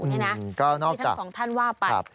ก็นอกจากที่ทั้งสองท่านว่าไป